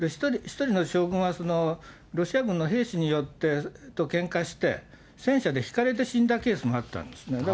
１人の将軍がロシア軍の兵士によって、けんかして、戦車でひかれて死んだケースもあったんですね。